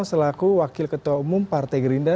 selaku wakil ketua umum partai gerindra